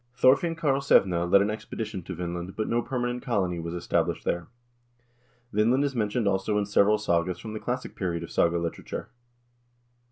Thorfinn Karlsevne led an expedition to Vinland, but no permanent colony was established there. Vinland is mentioned also in several sagas from the classic period of saga literature.